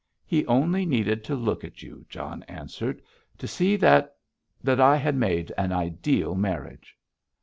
"He only needed to look at you," John answered, "to see that—that I had made an ideal marriage."